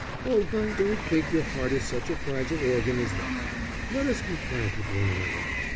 "Oh, I don't think your heart is such a fragile organ as that. Let us be frank with one another.